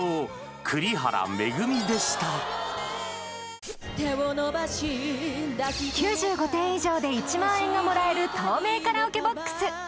栗原恵でした９５点以上で１万円がもらえる透明カラオケボックス